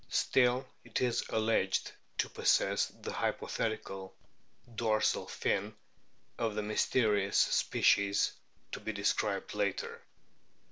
Still it is alleged to possess the hypothetical dorsal fin of the mysterious species to be described later.